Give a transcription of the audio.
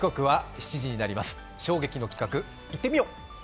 衝撃の企画いってみよう。